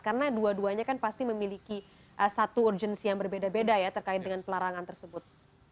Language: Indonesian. karena dua duanya kan pasti memiliki satu urgensi yang berbeda beda ya terkait dengan pelarangan tersebut